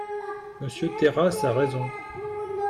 Monsieur Terrasse a raison.